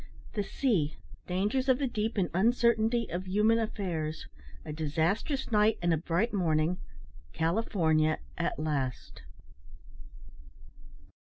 THE SEA DANGERS OF THE DEEP, AND UNCERTAINTY OF HUMAN AFFAIRS A DISASTROUS NIGHT AND A BRIGHT MORNING CALIFORNIA AT LAST.